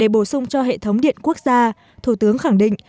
bổ sung cho hệ thống điện quốc gia thủ tướng khẳng định